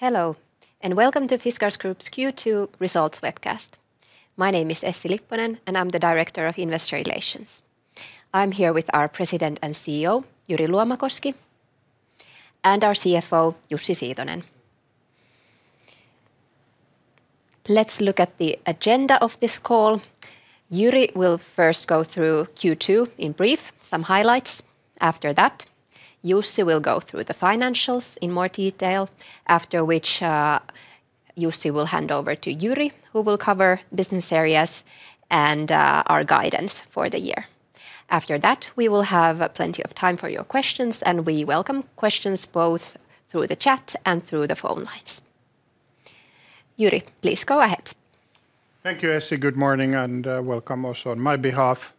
Hello, welcome to Fiskars Group's Q2 results webcast. My name is Essi Lipponen, and I am the Director, Investor Relations. I am here with our President and CEO, Jyri Luomakoski, and our CFO, Jussi Siitonen. Let's look at the agenda of this call. Jyri will first go through Q2 in brief, some highlights. Jussi will go through the financials in more detail, after which Jussi will hand over to Jyri, who will cover business areas and our guidance for the year. We will have plenty of time for your questions, and we welcome questions both through the chat and through the phone lines. Jyri, please go ahead. Thank you, Essi. Good morning, welcome also on my behalf.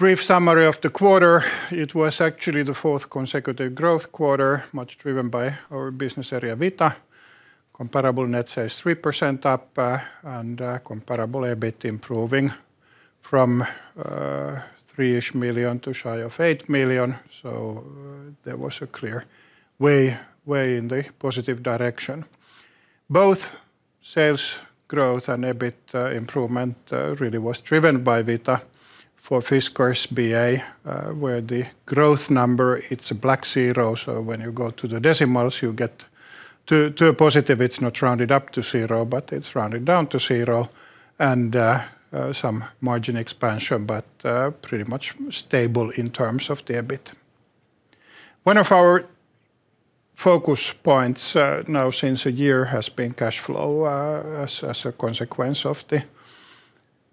Brief summary of the quarter, it was actually the fourth consecutive growth quarter, much driven by our business area, Vita. Comparable net sales 3% up and comparable EBIT improving from 3 million to shy of 8 million. There was a clear way in the positive direction. Both sales growth and EBIT improvement really was driven by Vita for Fiskars BA, where the growth number, it is a black zero, so when you go to the decimals, you get to a positive. It is not rounded up to zero, but it is rounded down to zero. Some margin expansion, but pretty much stable in terms of the EBIT. One of our focus points now since a year has been cash flow as a consequence of the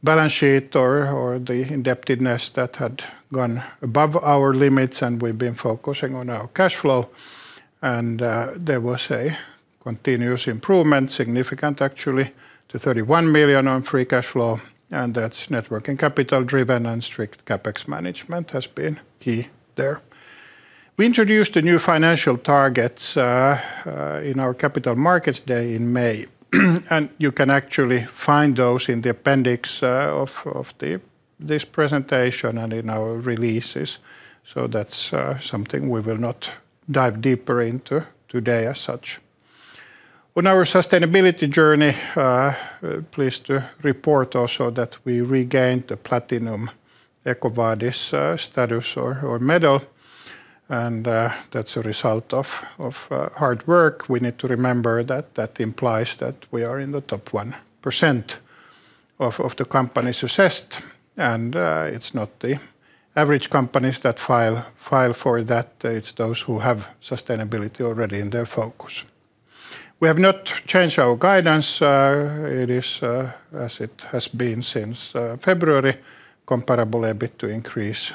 balance sheet or the indebtedness that had gone above our limits, and we have been focusing on our cash flow. There was a continuous improvement, significant actually, to 31 million on free cash flow, and that is net working capital-driven and strict CapEx management has been key there. We introduced the new financial targets in our Capital Markets Day in May, you can actually find those in the appendix of this presentation and in our releases. That is something we will not dive deeper into today as such. On our sustainability journey, pleased to report also that we regained the Platinum EcoVadis status or medal, and that is a result of hard work. We need to remember that that implies that we are in the top 1% of the companies assessed, and it is not the average companies that file for that. It is those who have sustainability already in their focus. We have not changed our guidance. It is as it has been since February, comparable EBIT to increase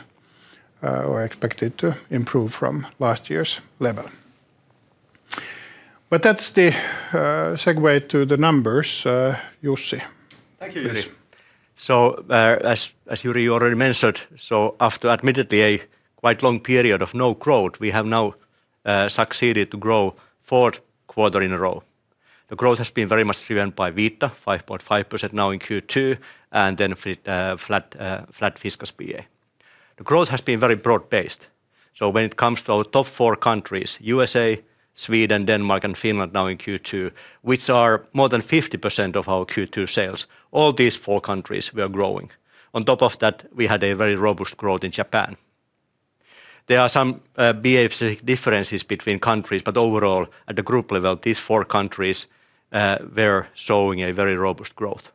or expected to improve from last year's level. That is the segue to the numbers. Jussi. Thank you, Jyri. As Jyri already mentioned, after admittedly a quite long period of no growth, we have now succeeded to grow fourth quarter in a row. The growth has been very much driven by Vita, 5.5% now in Q2, and flat Fiskars BA. The growth has been very broad-based. When it comes to our top four countries, USA, Sweden, Denmark, and Finland now in Q2, which are more than 50% of our Q2 sales, all these four countries were growing. On top of that, we had a very robust growth in Japan. There are some behavioristic differences between countries, but overall, at the group level, these four countries were showing a very robust growth.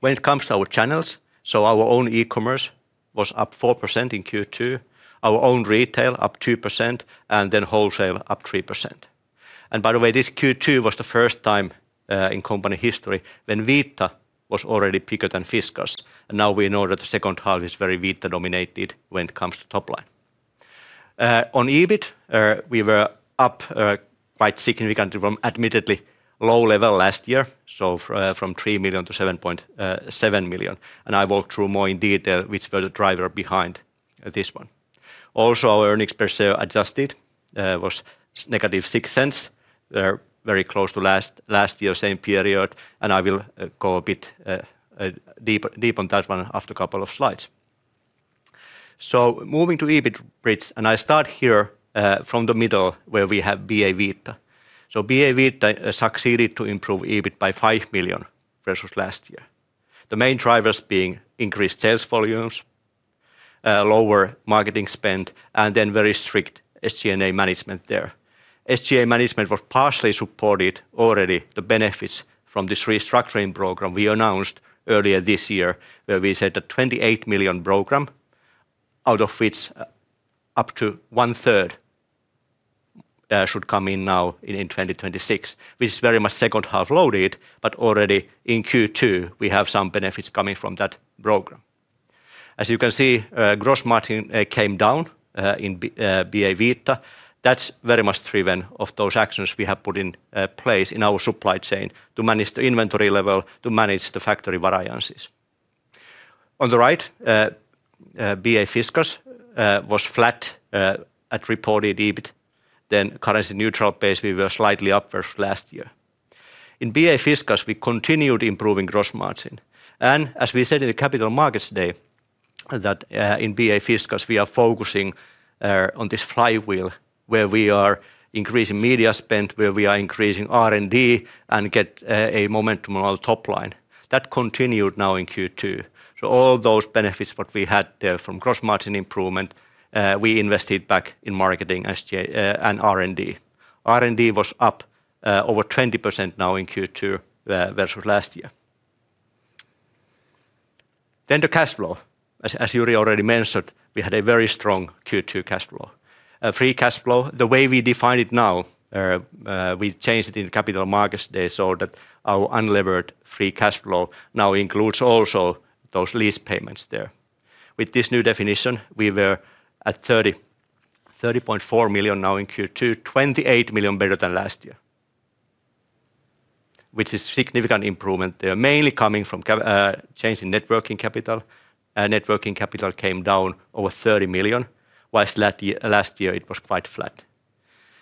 When it comes to our channels, our own e-commerce was up 4% in Q2, our own retail up 2%, and wholesale up 3%. By the way, this Q2 was the first time in company history when Vita was already bigger than Fiskars. Now we know that the second half is very Vita-dominated when it comes to top line. On EBIT, we were up quite significantly from admittedly low level last year, from 3 million to 7.7 million. Also our earnings per share adjusted was -0.06. They are very close to last year, same period, and I will go a bit deep on that one after a couple of slides. Moving to EBIT bridge, I start here from the middle where we have BA Vita. BA Vita succeeded to improve EBIT by 5 million versus last year. The main drivers being increased sales volumes, lower marketing spend, and very strict SG&A management there. SG&A management was partially supported already the benefits from this restructuring program we announced earlier this year where we said a 28 million program out of which up to 1/3 should come in now in 2026, which is very much second half loaded, but already in Q2, we have some benefits coming from that program. As you can see, gross margin came down in BA Vita. That is very much driven of those actions we have put in place in our supply chain to manage the inventory level, to manage the factory variances. On the right, BA Fiskars was flat at reported EBIT. Currency neutral base, we were slightly up versus last year. In BA Fiskars, we continued improving gross margin. As we said in the Capital Markets Day that in BA Fiskars we are focusing on this flywheel where we are increasing media spend, where we are increasing R&D and get a momentum on our top line. That continued now in Q2. All those benefits, what we had there from gross margin improvement, we invested back in marketing, SG&A and R&D. R&D was up over 20% now in Q2 versus last year. The cash flow. As Jyri already mentioned, we had a very strong Q2 cash flow. Free cash flow, the way we define it now, we changed it in Capital Markets Day so that our unlevered free cash flow now includes also those lease payments there. With this new definition, we were at 30.4 million now in Q2, 28 million better than last year, which is significant improvement there mainly coming from change in Net working capital. Net working capital came down over 30 million, whilst last year it was quite flat.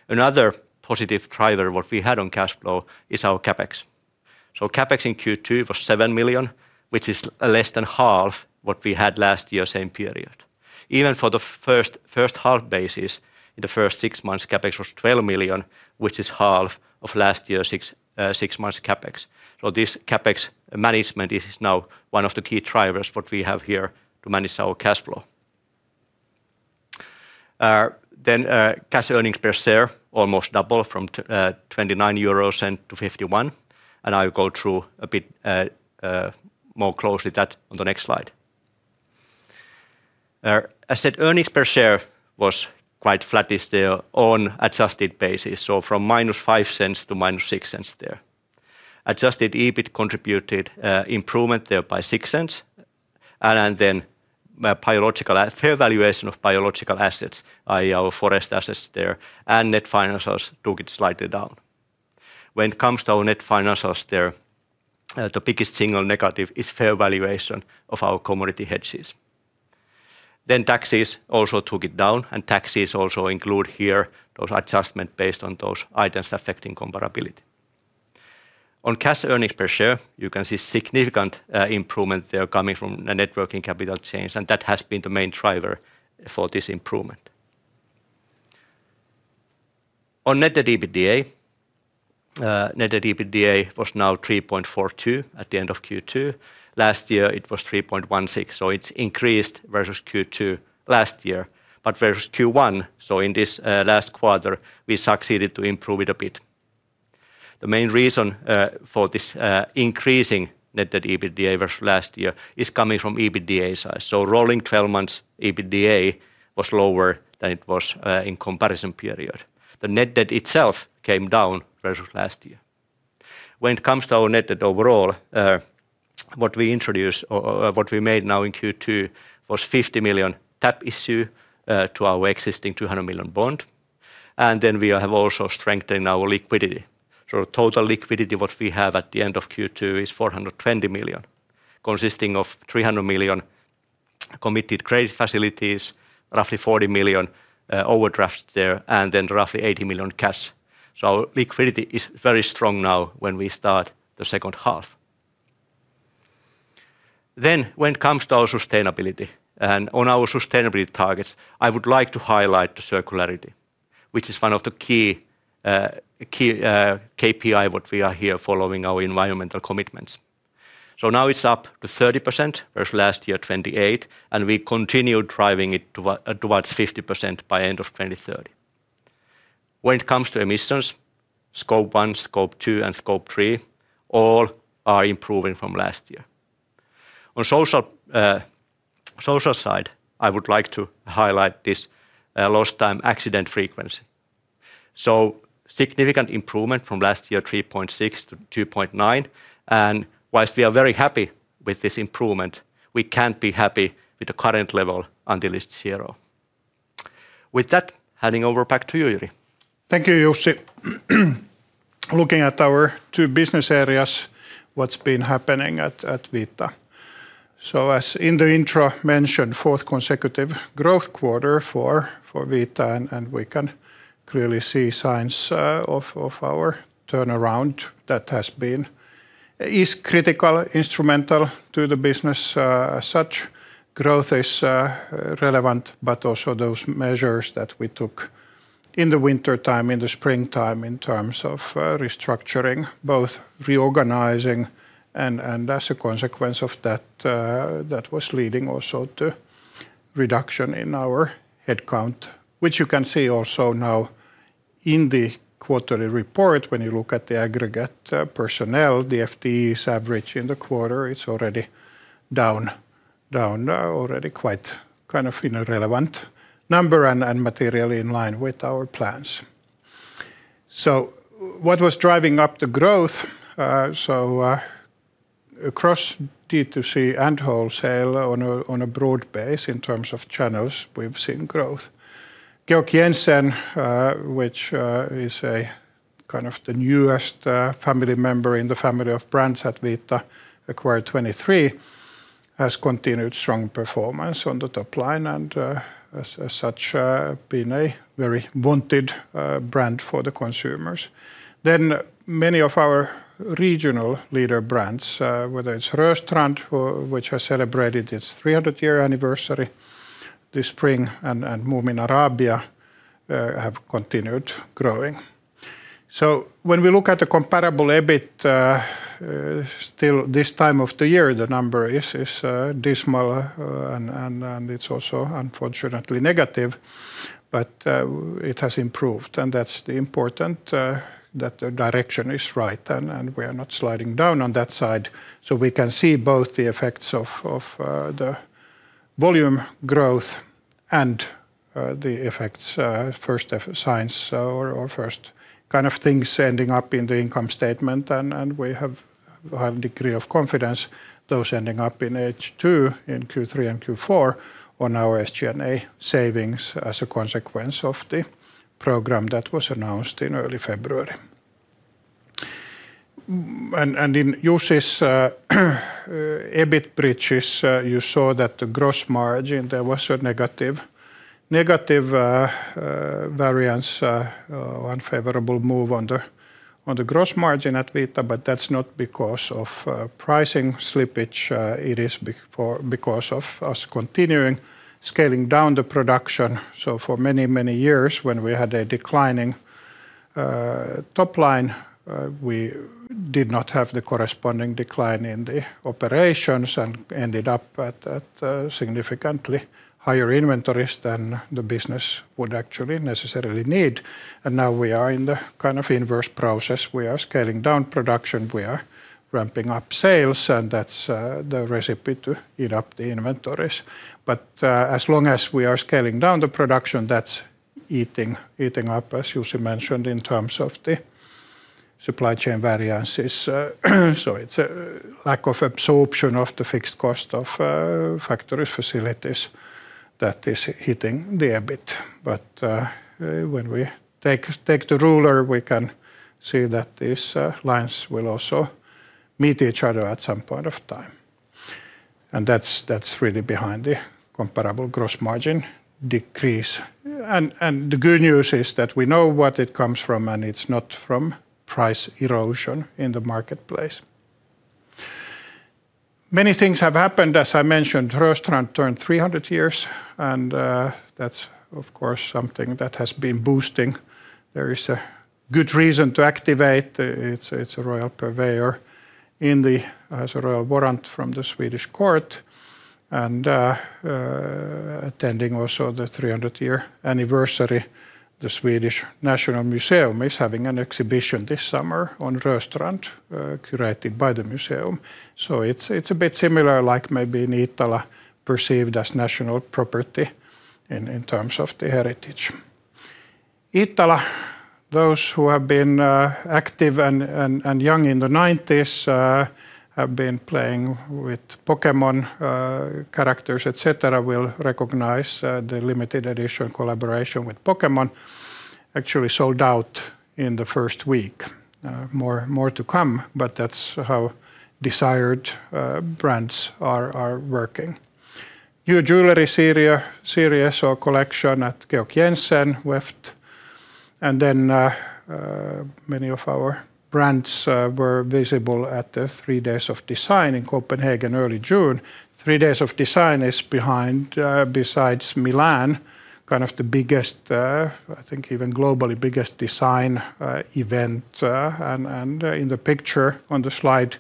Another positive driver what we had on cash flow is our CapEx. CapEx in Q2 was 7 million, which is less than half what we had last year same period. Even for the first half basis, in the first six months, CapEx was 12 million, which is half of last year's six months CapEx. This CapEx management is now one of the key drivers what we have here to manage our cash flow. Then cash earnings per share almost double from 29 euros to 51. I will go through a bit more closely that on the next slide. As said, earnings per share was quite flat this year on adjusted basis. From -0.05 to -0.06 there. Adjusted EBIT contributed improvement there by 0.06. Then fair valuation of biological assets, i.e. our forest assets there, and net financials took it slightly down. When it comes to our net financials there, the biggest single negative is fair valuation of our commodity hedges. Taxes also took it down, and taxes also include here those adjustment based on those items affecting comparability. On cash earnings per share, you can see significant improvement there coming from a Net working capital change, and that has been the main driver for this improvement. On net debt EBITDA, net debt EBITDA was now 3.42x at the end of Q2. Last year it was 3.16x, so it's increased versus Q2 last year. Versus Q1, in this last quarter, we succeeded to improve it a bit. The main reason for this increasing net debt EBITDA versus last year is coming from EBITDA side. Rolling 12 months EBITDA was lower than it was in comparison period. The net debt itself came down versus last year. When it comes to our net debt overall, what we made now in Q2 was 50 million tap issue to our existing 200 million bond. Then we have also strengthened our liquidity. Total liquidity what we have at the end of Q2 is 420 million, consisting of 300 million committed credit facilities, roughly 40 million overdraft there, and then roughly 80 million cash. Our liquidity is very strong now when we start the second half. When it comes to our sustainability and on our sustainability targets, I would like to highlight the circularity, which is one of the key KPI what we are here following our environmental commitments. Now it's up to 30% versus last year, 28%, and we continue driving it towards 50% by end of 2030. When it comes to emissions, scope one, scope two, and scope three all are improving from last year. On social side, I would like to highlight this lost time accident frequency. Significant improvement from last year, 3.6 to 2.9. Whilst we are very happy with this improvement, we can't be happy with the current level until it's zero. With that, handing over back to you, Jyri. Thank you, Jussi. Looking at our two business areas, what's been happening at Vita. As in the intro mentioned, fourth consecutive growth quarter for Vita, and we can clearly see signs of our turnaround that is critical, instrumental to the business. As such, growth is relevant, but also those measures that we took in the wintertime, in the springtime in terms of restructuring, both reorganizing and as a consequence of that was leading also to reduction in our headcount, which you can see also now in the quarterly report when you look at the aggregate personnel, the FTEs average in the quarter, it's already down quite in a relevant number and materially in line with our plans. What was driving up the growth? Across D2C and wholesale on a broad base in terms of channels, we've seen growth. Georg Jensen, which is kind of the newest family member in the family of brands at Vita acquired 2023 has continued strong performance on the top line and as such, been a very wanted brand for the consumers. Many of our regional leader brands, whether it's Rörstrand, which has celebrated its 300-year anniversary this spring, and Moomin Arabia, have continued growing. When we look at the comparable EBIT, still this time of the year, the number is dismal and it's also unfortunately negative. It has improved, and that's important that the direction is right and we are not sliding down on that side. We can see both the effects of the volume growth and the effects, first signs or first things ending up in the income statement. We have a high degree of confidence, those ending up in H2, in Q3 and Q4, on our SG&A savings as a consequence of the program that was announced in early February. In Jussi's EBIT bridges, you saw that the gross margin there was a negative variance, unfavorable move on the gross margin at Vita, that's not because of pricing slippage. It is because of us continuing scaling down the production. For many years, when we had a declining top line, we did not have the corresponding decline in the operations and ended up at significantly higher inventories than the business would actually necessarily need. Now we are in the inverse process. We are scaling down production, we are ramping up sales, and that's the recipe to eat up the inventories. As long as we are scaling down the production that's eating up, as Jussi mentioned, in terms of the supply chain variances. It's a lack of absorption of the fixed cost of factory facilities that is hitting the EBIT. When we take the ruler, we can see that these lines will also meet each other at some point of time. That's really behind the comparable gross margin decrease. The good news is that we know what it comes from, and it's not from price erosion in the marketplace. Many things have happened, as I mentioned, Rörstrand turned 300 years and that's of course something that has been boosting. There is a good reason to activate. It's a royal purveyor, has a royal warrant from the Swedish court. Attending also the 300-year anniversary, the Nationalmuseum is having an exhibition this summer on Rörstrand, curated by the museum. It's a bit similar, like maybe in Iittala, perceived as national property in terms of the heritage. Iittala, those who have been active and young in the 90s, have been playing with Pokémon characters, et cetera, will recognize the limited edition collaboration with Pokémon actually sold out in the first week. More to come, but that's how desired brands are working. New jewelry series or collection at Georg Jensen, Weft, then many of our brands were visible at the 3daysofdesign in Copenhagen early June. 3daysofdesign is, besides Milan, the biggest, I think even globally biggest design event. In the picture on the slide,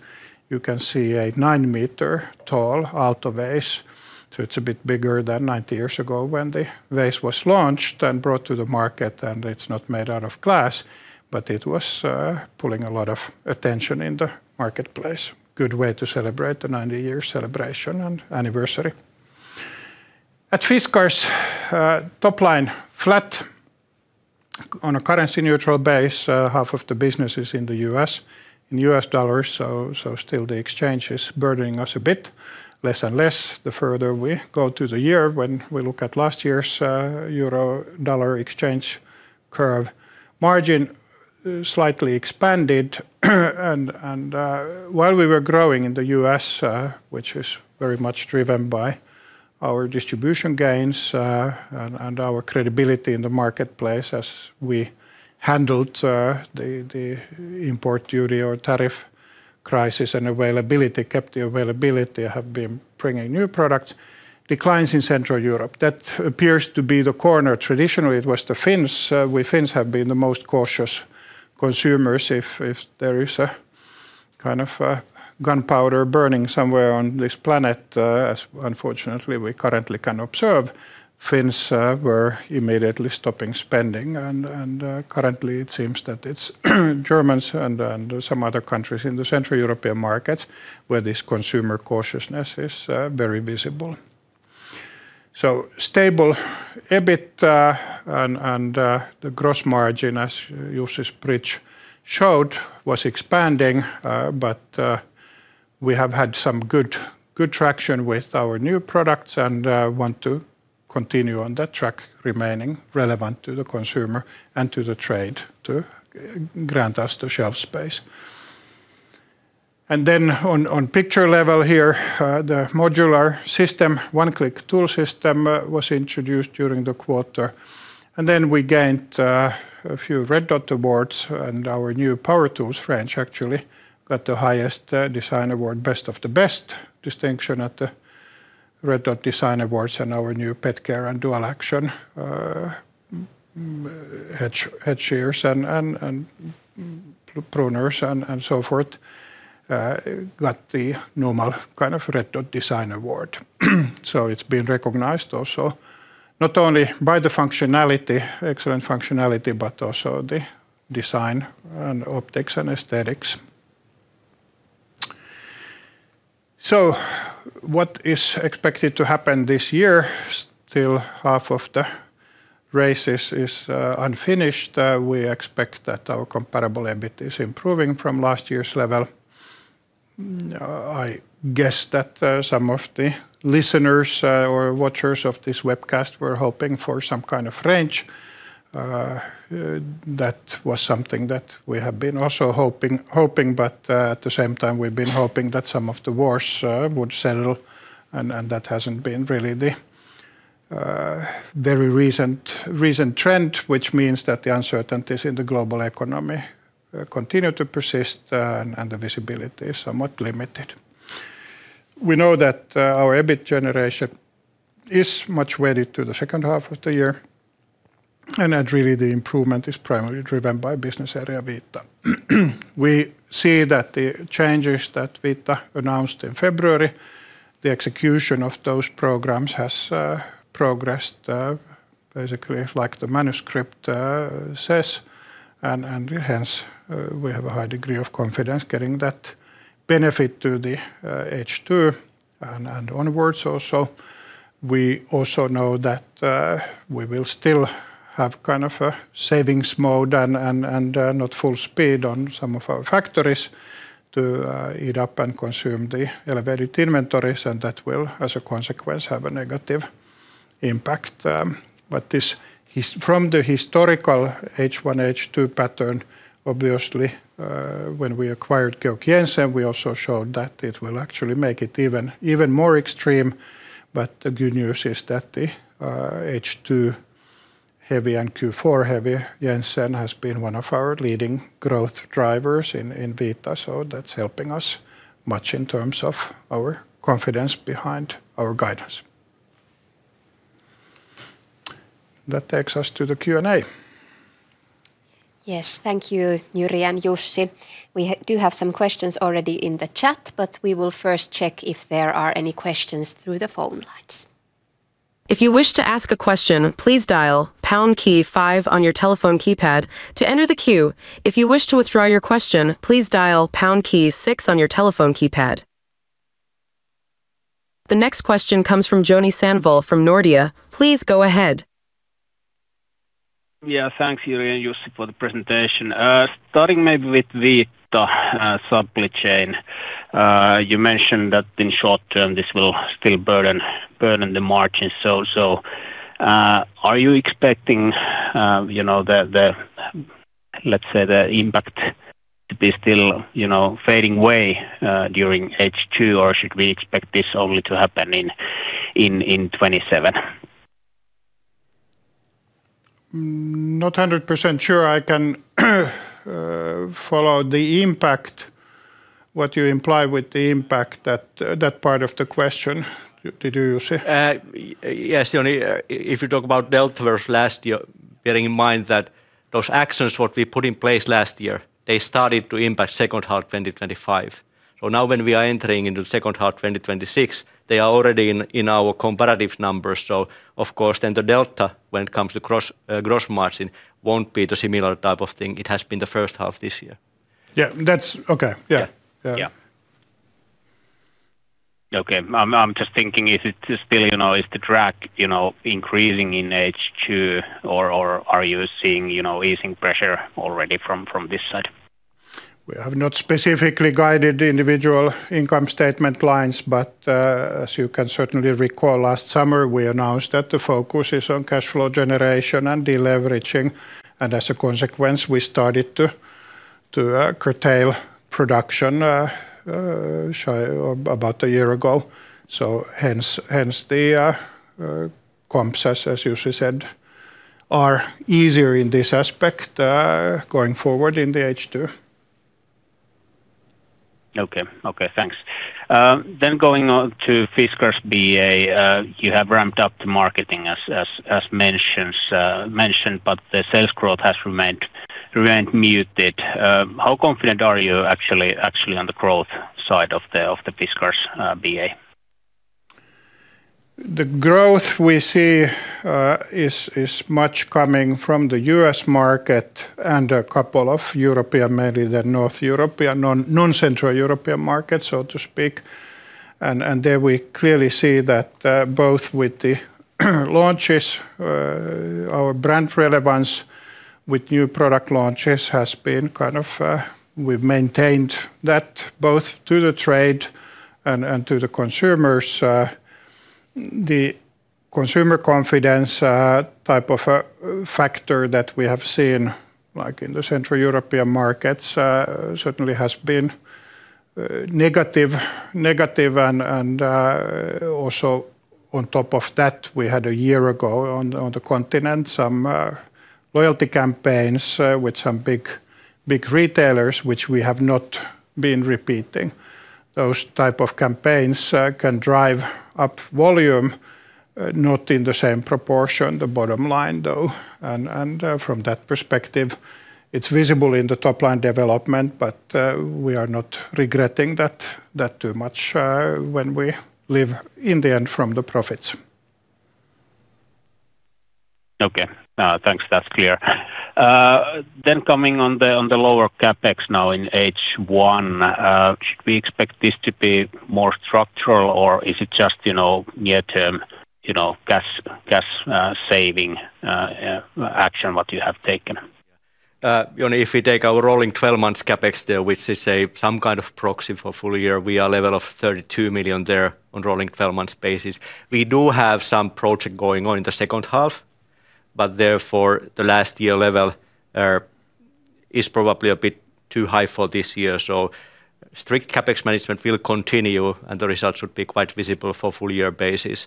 you can see a 9-meter-tall Aalto vase. It's a bit bigger than 90 years ago when the vase was launched and brought to the market, and it's not made out of glass. It was pulling a lot of attention in the marketplace. Good way to celebrate the 90-year celebration and anniversary. At Fiskars, top line flat on a currency-neutral base. Half of the business is in the U.S., in U.S. dollars, so still the exchange is burdening us a bit. Less and less the further we go through the year, when we look at last year's EUR-USD exchange curve. Margin slightly expanded while we were growing in the U.S., which was very much driven by our distribution gains and our credibility in the marketplace as we handled the import duty or tariff crisis and availability, kept the availability, have been bringing new products. Declines in Central Europe, that appears to be the corner. Traditionally, it was the Finns. We Finns have been the most cautious consumers. If there is a kind of gunpowder burning somewhere on this planet, as unfortunately we currently can observe, Finns were immediately stopping spending and currently it seems that it's Germans and some other countries in the Central European markets where this consumer cautiousness is very visible. Stable EBIT, and the gross margin, as Jussi's bridge showed, was expanding. We have had some good traction with our new products and want to continue on that track remaining relevant to the consumer and to the trade to grant us the shelf space. On picture level here, the modular system, OneClick tool system, was introduced during the quarter, then we gained a few Red Dot Awards and our new power tools, French actually, got the highest design award, Best of the Best distinction at the Red Dot Design Awards and our new pet care and dual action hedge shears and pruners and so forth, got the normal kind of Red Dot Design Award. It's been recognized also, not only by the excellent functionality, but also the design and optics and aesthetics. What is expected to happen this year? Still half of the race is unfinished. We expect that our comparable EBIT is improving from last year's level. I guess that some of the listeners or watchers of this webcast were hoping for some kind of French. That was something that we have been also hoping. At the same time, we've been hoping that some of the wars would settle, and that hasn't been really the very recent trend, which means that the uncertainties in the global economy continue to persist. The visibility is somewhat limited. We know that our EBIT generation is much weighted to the second half of the year. That really the improvement is primarily driven by business area Vita. We see that the changes that Vita announced in February, the execution of those programs has progressed basically like the manuscript says. Hence, we have a high degree of confidence getting that benefit to the H2 and onwards also. We also know that we will still have kind of a savings mode and not full speed on some of our factories to eat up and consume the elevated inventories. That will, as a consequence, have a negative impact. From the historical H1, H2 pattern, obviously, when we acquired Georg Jensen, we also showed that it will actually make it even more extreme. The good news is that the H2-heavy and Q4-heavy Jensen has been one of our leading growth drivers in Vita, so that's helping us much in terms of our confidence behind our guidance. That takes us to the Q&A. Yes. Thank you, Jyri and Jussi. We do have some questions already in the chat. We will first check if there are any questions through the phone lines. If you wish to ask a question, please dial pound key five on your telephone keypad to enter the queue. If you wish to withdraw your question, please dial pound key six on your telephone keypad. The next question comes from Joni Sandvall from Nordea. Please go ahead. Thanks, Jyri and Jussi for the presentation. Starting maybe with Vita supply chain. You mentioned that in short term, this will still burden the margins. Are you expecting the, let's say, the impact to be still fading way during H2, or should we expect this only to happen in 2027? Not 100% sure I can follow the impact, what you imply with the impact, that part of the question. Did you, Jussi? Yes, Joni. If you talk about delta versus last year, bearing in mind that those actions what we put in place last year, they started to impact second half 2025. Now when we are entering into second half 2026, they are already in our comparative numbers. Of course, then the delta, when it comes to gross margin, won't be the similar type of thing it has been the first half this year. That's okay. Yeah. Okay. I'm just thinking is it still, is the track increasing in H2, or are you seeing easing pressure already from this side? We have not specifically guided individual income statement lines, but as you can certainly recall, last summer, we announced that the focus is on cash flow generation and deleveraging, and as a consequence, we started to curtail production about a year ago. Hence the comps, as Jussi said, are easier in this aspect going forward in the H2. Okay. Thanks. Going on to Fiskars BA. You have ramped up the marketing as mentioned, but the sales growth has remained muted. How confident are you actually on the growth side of the Fiskars BA? The growth we see is much coming from the U.S. market and a couple of European, maybe the North European, non-Central European markets, so to speak. There we clearly see that both with the launches, our brand relevance with new product launches, we've maintained that both to the trade and to the consumers. The consumer confidence type of factor that we have seen in the Central European markets certainly has been negative. Also, on top of that, we had a year ago on the continent some loyalty campaigns with some big retailers, which we have not been repeating. Those type of campaigns can drive up volume, not in the same proportion, the bottom line, though. From that perspective, it's visible in the top-line development, but we are not regretting that too much when we live in the end from the profits. Okay. Thanks. That's clear. Coming on the lower CapEx now in H1, should we expect this to be more structural or is it just near-term, cash-saving action what you have taken? Joni, if we take our rolling 12 months CapEx there, which is a proxy for a full year, we are level of 32 million there on rolling 12 months basis. We do have some project going on in the second half, therefore the last year level is probably a bit too high for this year. Strict CapEx management will continue, and the results should be quite visible for full year basis.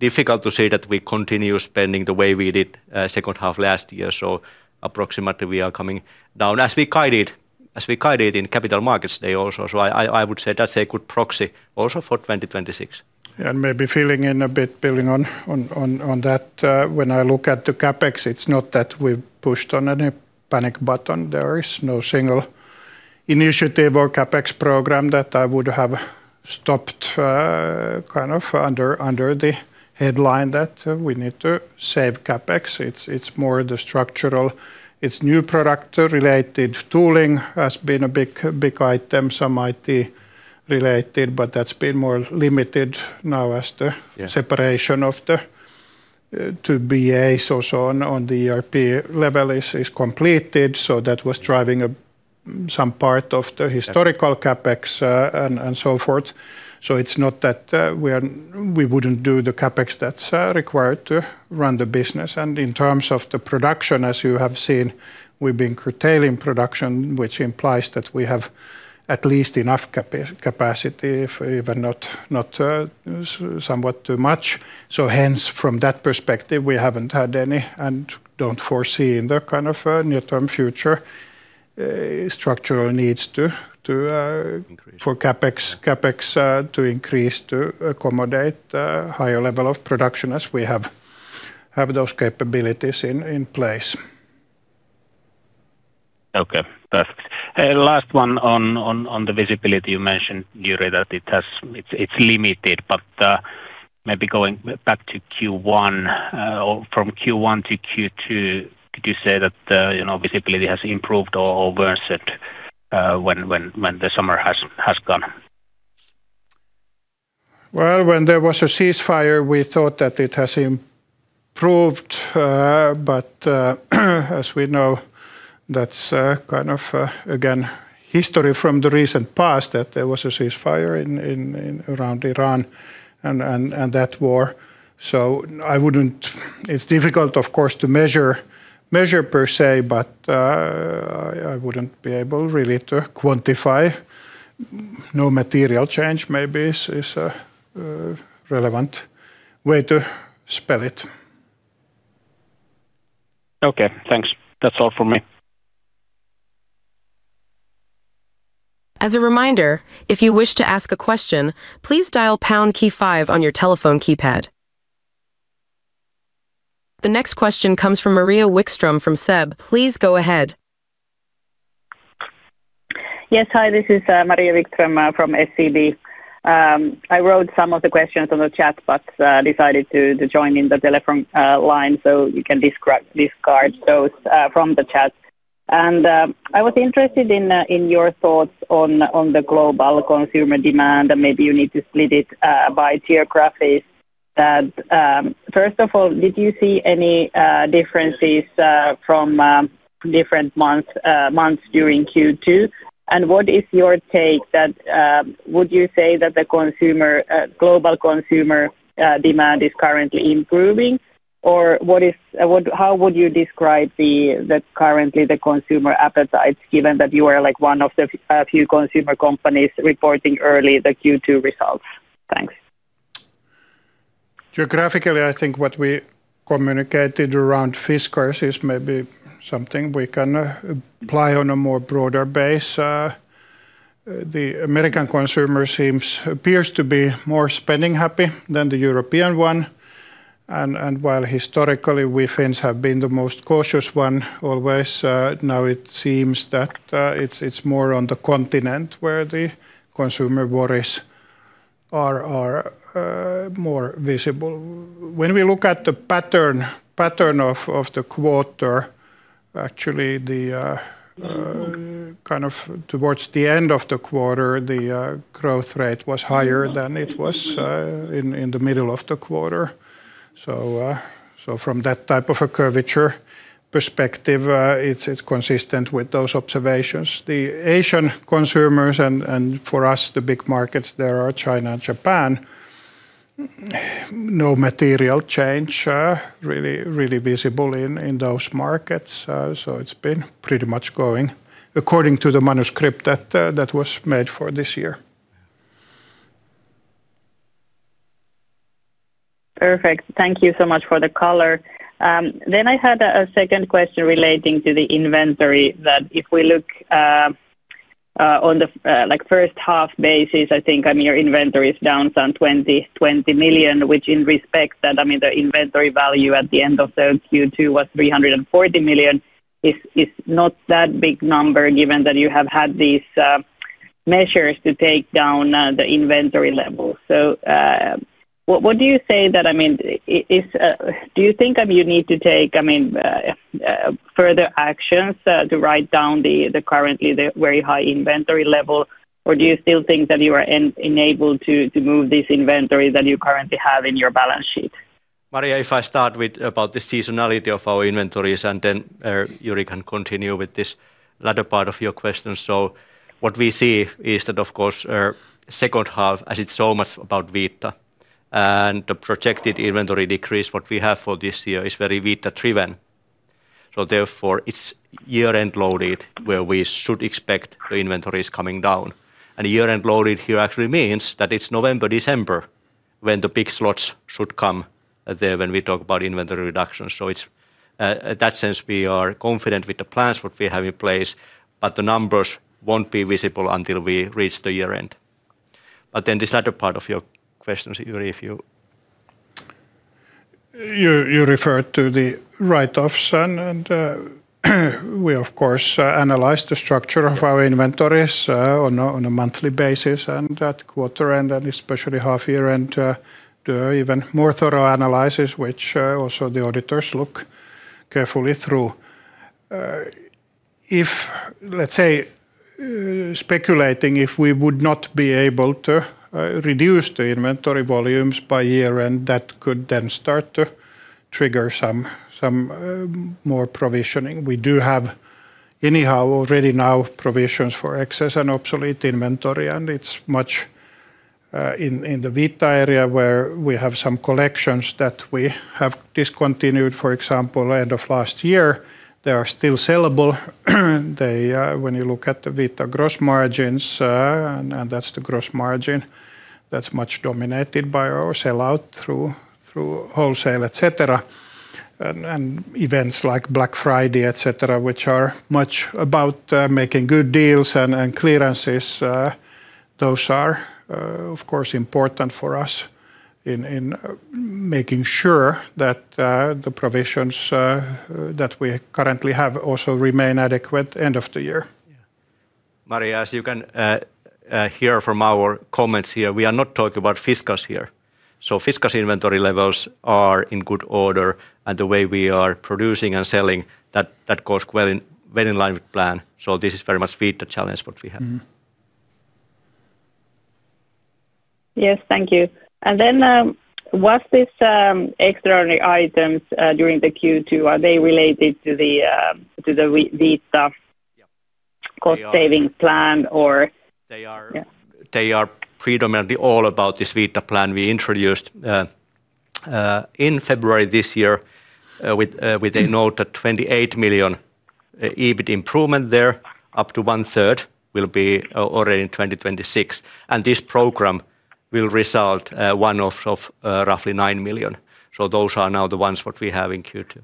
Difficult to say that we continue spending the way we did second half last year. Approximately we are coming down as we guided in Capital Markets Day also. I would say that's a good proxy also for 2026. Maybe filling in a bit, building on that. When I look at the CapEx, it's not that we've pushed on any panic button. There is no single initiative or CapEx program that I would have stopped under the headline that we need to save CapEx. It's more the structural. It's new product-related tooling has been a big item, some IT related, but that's been more limited now as the separation of the two BAs or so on the ERP level is completed. Yeah. That was driving some part of the historical CapEx and so forth. It's not that we wouldn't do the CapEx that's required to run the business. In terms of the production, as you have seen, we've been curtailing production, which implies that we have at least enough capacity, if even not somewhat too much. Hence, from that perspective, we haven't had any and don't foresee in the near-term future structural needs for CapEx to increase to accommodate higher level of production as we have those capabilities in place. Okay, perfect. Last one on the visibility. You mentioned, Jyri, that it's limited, maybe going back to Q1 or from Q1 to Q2, did you say that visibility has improved or worsened when the summer has gone? Well, when there was a ceasefire, we thought that it has improved. As we know, that's, again, history from the recent past that there was a ceasefire around Iran and that war. It's difficult, of course, to measure per se, but I wouldn't be able really to quantify. No material change maybe is a relevant way to spell it. Okay, thanks. That's all from me. As a reminder, if you wish to ask a question, please dial pound key five on your telephone keypad. The next question comes from Maria Wikström from SEB. Please go ahead. Hi, this is Maria Wikström from SEB. I wrote some of the questions on the chat box, decided to join in the telephone line so you can discard those from the chat. I was interested in your thoughts on the global consumer demand, and maybe you need to split it by geographies. First of all, did you see any differences from different months during Q2? What is your take that would you say that the global consumer demand is currently improving? Or how would you describe currently the consumer appetite, given that you are one of the few consumer companies reporting early the Q2 results? Thanks. Geographically, I think what we communicated around Fiskars is maybe something we can apply on a more broader base. The American consumer appears to be more spending happy than the European one. While historically we Finns have been the most cautious one always, now it seems that it's more on the continent where the consumer worries are more visible. When we look at the pattern of the quarter, actually, towards the end of the quarter, the growth rate was higher than it was in the middle of the quarter. From that type of a curvature perspective, it's consistent with those observations. The Asian consumers, and for us, the big markets there are China and Japan, no material change really visible in those markets. It's been pretty much going according to the manuscript that was made for this year. Perfect. Thank you so much for the color. I had a second question relating to the inventory that if we look on the first half basis, I think your inventory is down some 20 million, which in respect that the inventory value at the end of the Q2 was 340 million is not that big number, given that you have had these measures to take down the inventory level. What do you say? Do you think you need to take further actions to write down the currently very high inventory level? Or do you still think that you are enabled to move this inventory that you currently have in your balance sheet? Maria, if I start with about the seasonality of our inventories, and then Jyri can continue with this latter part of your question. What we see is that, of course, second half, as it's so much about Vita and the projected inventory decrease, what we have for this year is very Vita-driven. Therefore, it's year-end loaded where we should expect the inventories coming down. Year-end loaded here actually means that it's November, December when the big slots should come there when we talk about inventory reductions. This latter part of your questions, Jyri, if you? You referred to the write-offs. We, of course, analyze the structure of our inventories on a monthly basis and at quarter end, especially half year end, do even more thorough analysis, which also the auditors look carefully through. Speculating, if we would not be able to reduce the inventory volumes by year end, that could then start to trigger some more provisioning. We do have anyhow already now provisions for excess and obsolete inventory, and it's much in the Vita area where we have some collections that we have discontinued. For example, end of last year, they are still sellable when you look at the Vita gross margins, and that's the gross margin that's much dominated by our sell-out through wholesale, etc., and events like Black Friday, etc., which are much about making good deals and clearances. Those are, of course, important for us in making sure that the provisions that we currently have also remain adequate end of the year. Maria, as you can hear from our comments here, we are not talking about Fiskars here. Fiskars inventory levels are in good order, and the way we are producing and selling that goes very in line with plan. This is very much Vita challenge what we have. Yes. Thank you. Was this extraordinary items during the Q2, are they related to the Vita cost savings plan or- They are predominantly all about this Vita plan we introduced in February this year with a note that 28 million EBIT improvement there, up to 1/3 will be already in 2026. This program will result one-off of roughly 9 million. Those are now the ones what we have in Q2.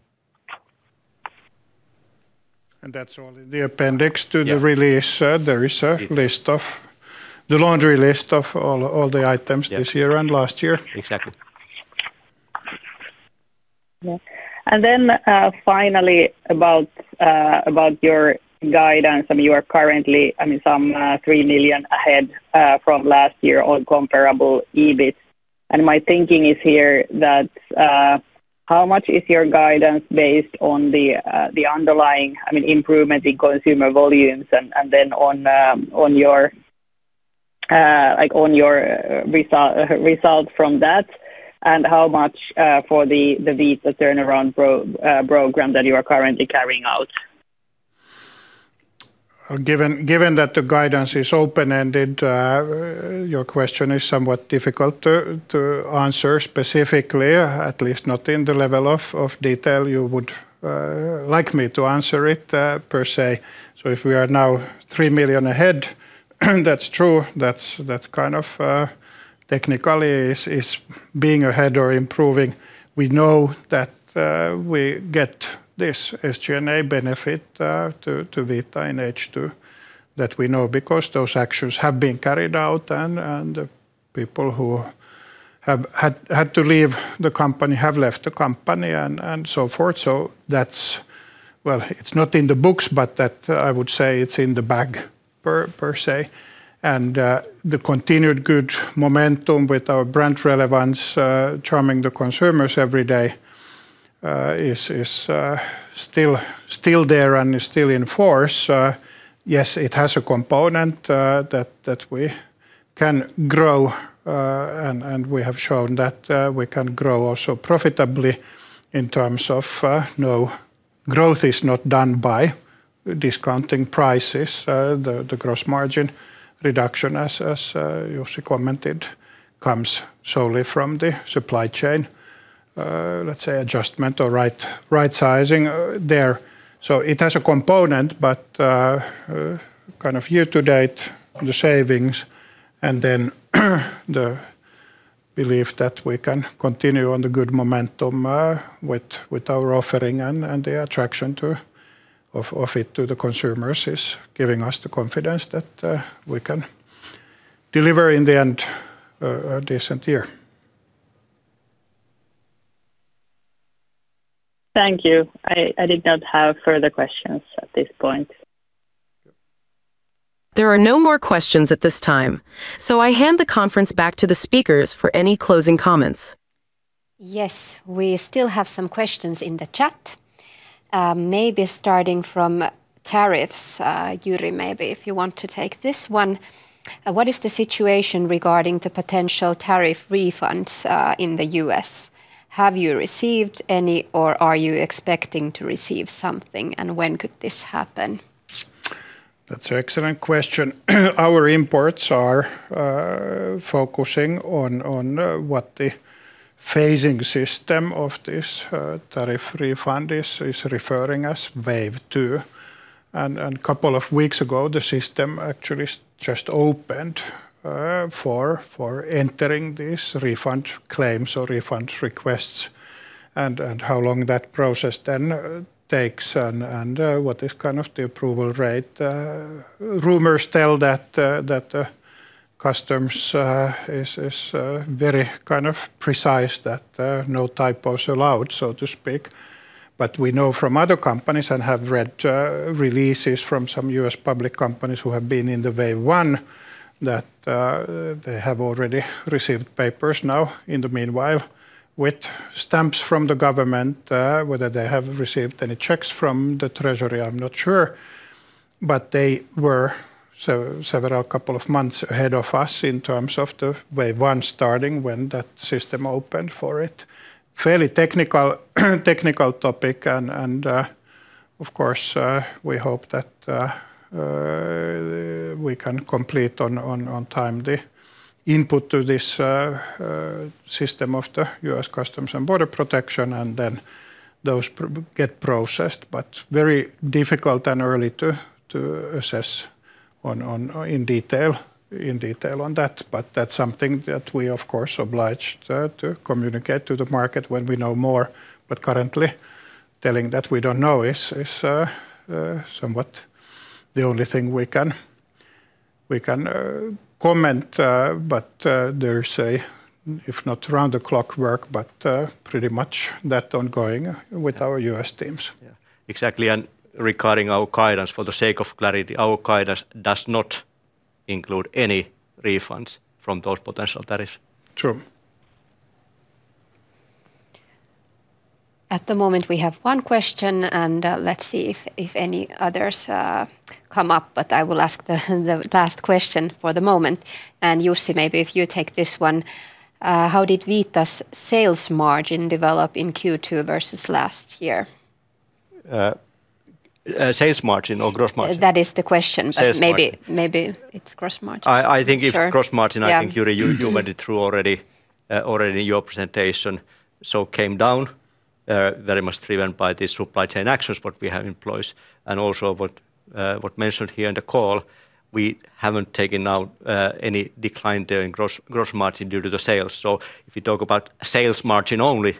That's all in the appendix to the release. There is a laundry list of all the items this year and last year. Exactly. Finally, about your guidance. You are currently some 3 million ahead from last year on comparable EBIT. My thinking is here that how much is your guidance based on the underlying improvement in consumer volumes, and then on your result from that, and how much for the Vita turnaround program that you are currently carrying out? Given that the guidance is open-ended, your question is somewhat difficult to answer specifically, at least not in the level of detail you would like me to answer it per se. If we are now 3 million ahead, that's true. That technically is being ahead or improving. We know that we get this SG&A benefit to Vita in H2. That we know because those actions have been carried out, and the people who had to leave the company have left the company and so forth. It's not in the books, but that I would say it's in the bag per se. The continued good momentum with our brand relevance charming the consumers every day is still there and is still in force. Yes, it has a component that we can grow, and we have shown that we can grow also profitably in terms of growth is not done by discounting prices. The gross margin reduction, as Jussi commented, comes solely from the supply chain, let's say, adjustment or right sizing there. It has a component, but year-to-date, the savings and then the belief that we can continue on the good momentum with our offering and the attraction of it to the consumers is giving us the confidence that we can deliver in the end a decent year. Thank you. I did not have further questions at this point. There are no more questions at this time, so I hand the conference back to the speakers for any closing comments. Yes. We still have some questions in the chat. Maybe starting from tariffs. Jyri, maybe if you want to take this one. What is the situation regarding the potential tariff refunds in the U.S.? Have you received any, or are you expecting to receive something? When could this happen? That's an excellent question. Our imports are focusing on what the phasing system of this tariff refund is referring as wave two. Couple of weeks ago, the system actually just opened for entering these refund claims or refund requests and how long that process then takes and what is kind of the approval rate. Rumors tell that customs is very kind of precise that no typos allowed, so to speak. We know from other companies and have read releases from some U.S. public companies who have been in the wave one, that they have already received papers now in the meanwhile with stamps from the government. Whether they have received any checks from the Treasury, I'm not sure. They were several couple of months ahead of us in terms of the wave one starting when that system opened for it. Fairly technical topic and, of course, we hope that we can complete on time the input to this system of the U.S. Customs and Border Protection and then those get processed. Very difficult and early to assess in detail on that. That's something that we of course oblige to communicate to the market when we know more. Currently telling that we don't know is somewhat the only thing we can comment. There's a, if not round-the-clock work, but pretty much that ongoing with our U.S. teams. Yeah. Exactly, and regarding our guidance, for the sake of clarity, our guidance does not include any refunds from those potential tariffs. True. At the moment we have one question and let's see if any others come up, but I will ask the last question for the moment. Jussi, maybe if you take this one. How did Vita's sales margin develop in Q2 versus last year? Sales margin or gross margin? That is the question. Sales margin. Maybe it's gross margin. Sure. I think if gross margin I think, Jyri, you went it through already in your presentation. Yeah It came down very much driven by the supply chain actions what we have in place and also what mentioned here in the call, we haven't taken out any decline there in gross margin due to the sales. If you talk about sales margin only,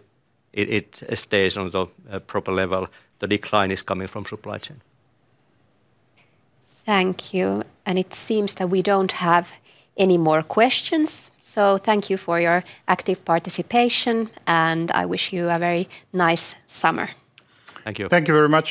it stays on the proper level. The decline is coming from supply chain. Thank you. It seems that we don't have any more questions, so thank you for your active participation and I wish you a very nice summer. Thank you. Thank you very much.